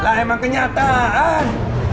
lah emang kenyataan